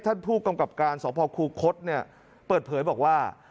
ท่านผู้กำกับการสพคูคศเนี่ยเปิดเผยบอกว่า